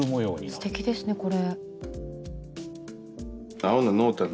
すてきですねこれ。